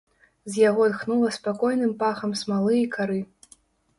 З яго тхнула спакойным пахам смалы і кары.